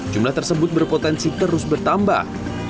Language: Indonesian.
jumlah tersebut berpotensi terus bertambah